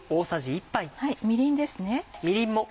みりんですね。